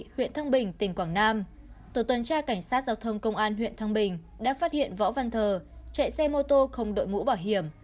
huyện thăng bình tỉnh quảng nam tổ tuần tra cảnh sát giao thông công an huyện thăng bình đã phát hiện võ văn thờ chạy xe mô tô không đội mũ bảo hiểm